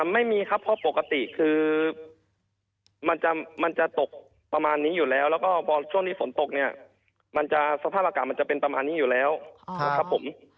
ไม่มีครับเพราะปกติคือมันจะตกประมาณนี้อยู่แล้วแล้วก็พอช่วงที่ฝนตกเนี่ยมันจะสภาพอากาศมันจะเป็นประมาณนี้อยู่แล้วนะครับผม